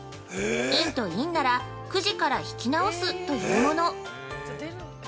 「陰と陰」なら、くじから引き直すというもの。